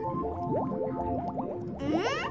うん？